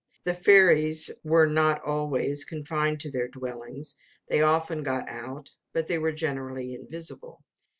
The fairies were not always confined to their dwellings: they often got out, but they were generally invisible.